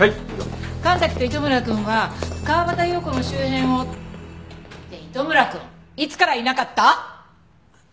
神崎と糸村くんは川端葉子の周辺を。って糸村くんいつからいなかった？